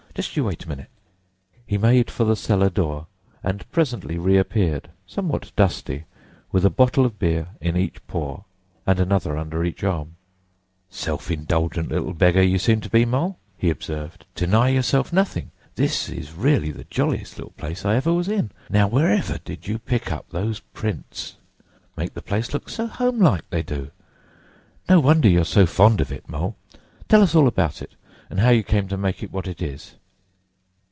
Just you wait a minute." He made for the cellar door, and presently reappeared, somewhat dusty, with a bottle of beer in each paw and another under each arm, "Self indulgent beggar you seem to be, Mole," he observed. "Deny yourself nothing. This is really the jolliest little place I ever was in. Now, wherever did you pick up those prints? Make the place look so home like, they do. No wonder you're so fond of it, Mole. Tell us all about it, and how you came to make it what it is."